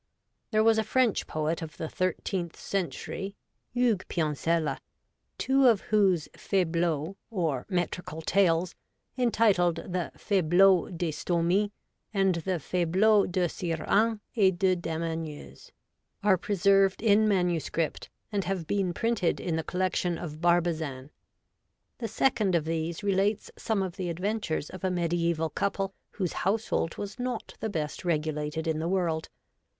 There was a French poet of the thirteenth century, Hugues Piancelles, two of ^\iOse. faiblaux, or metrical tales, entitled the Faiblaii, d' Estaitmi and the Faiblau de Sire Mains et de Dame Anieuse, are preserved in manuscript, and have been printed in the collection of Barbazan. The second of these relates some of the adventures of a mediaeval couple, whose household was not the 114 REVOLTED WOMAN. best regulated in the world.